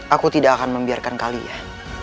aku tidak akan membiarkan kalian